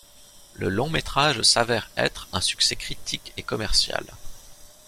Le long métrage s'avère être un succès critique et commercial.